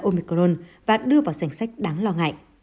omicron và đưa vào sành sách đáng lo ngại